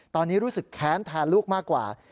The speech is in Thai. ตอนนี้รู้สึกแค้นแทนลูกมากกว่า